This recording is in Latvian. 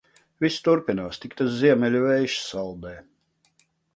Viss turpinās. Tik tas ziemeļu vējš saldē.